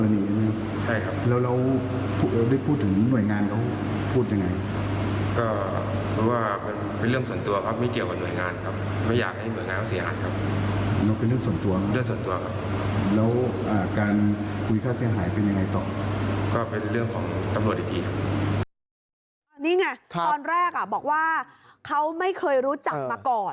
นี่ไงตอนแรกบอกว่าเขาไม่เคยรู้จักมาก่อน